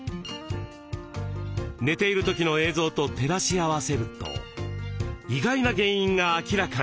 寝ている時の映像と照らし合わせると意外な原因が明らかに。